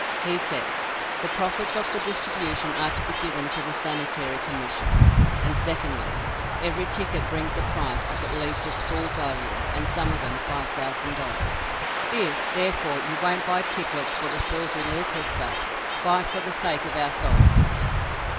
He says: "The profits of the distribution are to be given to the Sanitary Commission;" and secondly, "Every ticket brings a prize of at least its full value, and some of them $5,000." If, therefore you won't buy tickets for filthy lucre's sake, buy for the sake of our soldiers.